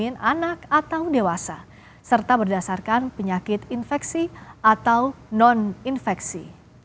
pasien anak atau dewasa serta berdasarkan penyakit infeksi atau non infeksi